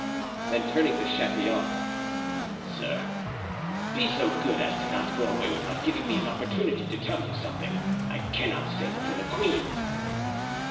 And turning to Chatillon: "Sir, be so good as not to go away without giving me an opportunity to tell you something I cannot say before the queen."